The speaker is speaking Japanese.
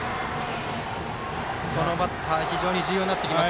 このバッター非常に重要になってきます。